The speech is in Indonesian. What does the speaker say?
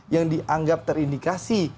yang dianggap terindikasi